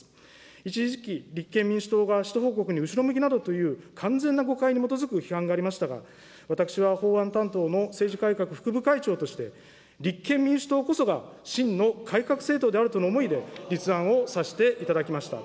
一時期、立憲民主党が使途報告に後ろ向きなどという、完全な誤解に基づく批判がありましたが、私は法案担当の政治改革副部会長として、立憲民主党こそが真の改革政党であるとの思いで、立案をさせていただきました。